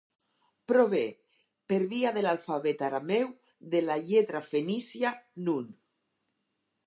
Prové, per via de l'alfabet arameu de la lletra fenícia nun.